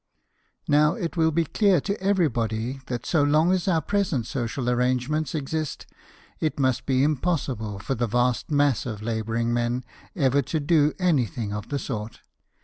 N ow, it will be clear to everybody that so long as our present social arrangements exist, it must be impossible for the vast mass of labouring men ever to do anything of the sort.